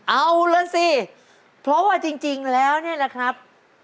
เอาล่ะสิเพราะว่าจริงแล้วเนี่ยนะครับ